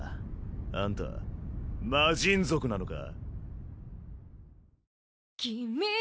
あんた魔神族なのか？